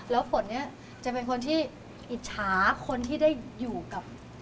แล้วฝนเนี่ยจะเป็นคนที่อิจฉาคนที่ได้อยู่กับ